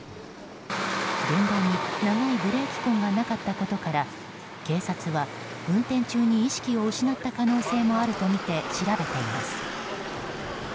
現場に長いブレーキ痕がなかったことから警察は運転中に意識を失った可能性もあるとみて調べています。